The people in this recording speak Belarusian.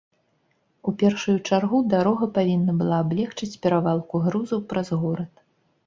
У першую чаргу дарога павінна была аблегчыць перавалку грузаў праз горад.